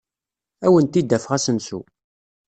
Ad awent-d-afeɣ asensu.